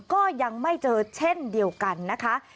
ก็ยังไม่เจอเช่นเดียวกันนะคะ